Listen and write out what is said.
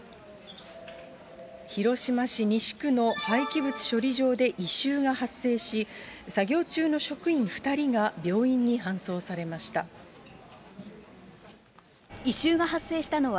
広島市西区の廃棄物処理場で異臭が発生し、作業中の職員２人が病院に搬送されました。